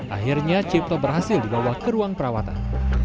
akhirnya cipto berhasil dibawa ke ruang perawatan